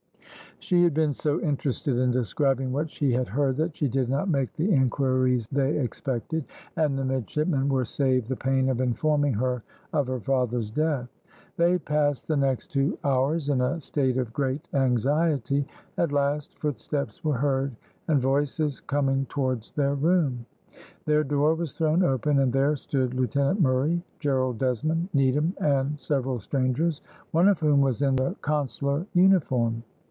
She had been so interested in describing what she had heard that she did not make the inquiries they expected, and the midshipmen were saved the pain of informing her of her father's death. They passed the next two hours in a state of great anxiety; at last footsteps were heard, and voices coming towards their room. Their door was thrown open and there stood Lieutenant Murray, Gerald Desmond, Needham, and several strangers, one of whom was in the consular uniform.